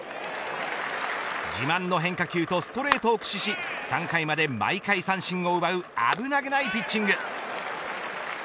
自慢の変化球とストレートを駆使し３回まで毎回三振を奪う危なげないピッチング。